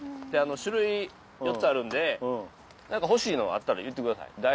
であの種類４つあるんでなんか欲しいのあったら言ってください。